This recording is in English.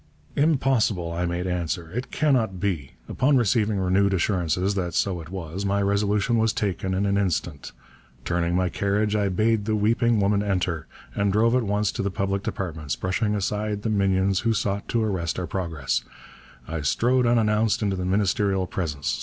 'Impossible,' I made answer. 'It cannot be.' Upon receiving renewed assurances that so it was, my resolution was taken in an instant. Turning my carriage I bade the weeping woman enter, and drove at once to the Public Departments. Brushing aside the minions who sought to arrest our progress, I strode unannounced into the Ministerial presence.